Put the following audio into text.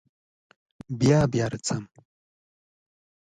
بیا بیا راځم.